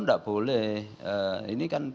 tidak boleh ini kan